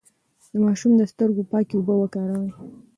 د ماشوم د سترګو پاکې اوبه وکاروئ.